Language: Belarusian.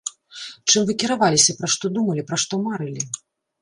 Чым вы кіраваліся, пра што думалі, пра што марылі?